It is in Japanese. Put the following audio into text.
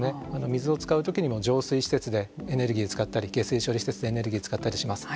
水を使う時にも浄水施設でエネルギー使ったり下水処理施設でエネルギー使ったりします。